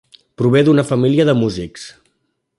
Prové d'una família de músics.